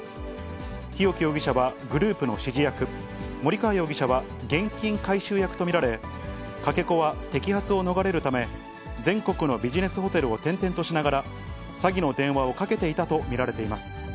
日沖容疑者はグループの指示役、森川容疑者は現金回収役と見られ、かけ子は摘発を逃れるため、全国のビジネスホテルを転々としながら、詐欺の電話をかけていたと見られます。